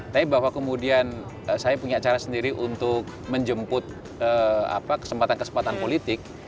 tapi bahwa kemudian saya punya cara sendiri untuk menjemput kesempatan kesempatan politik